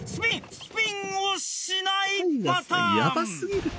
スピンをしないパターン。